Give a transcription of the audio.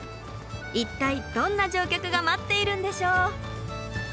一体どんな乗客が待っているんでしょう。